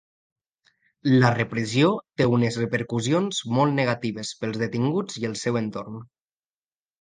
La repressió té unes repercussions molt negatives pels detinguts i el seu entorn.